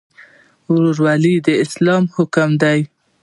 ورورولي د اسلام حکم دی